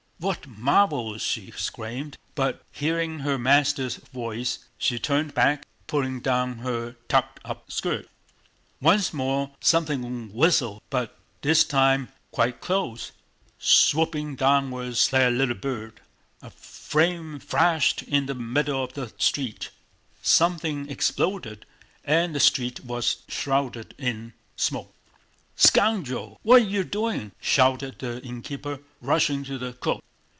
"What marvels!" she exclaimed, but hearing her master's voice she turned back, pulling down her tucked up skirt. Once more something whistled, but this time quite close, swooping downwards like a little bird; a flame flashed in the middle of the street, something exploded, and the street was shrouded in smoke. "Scoundrel, what are you doing?" shouted the innkeeper, rushing to the cook.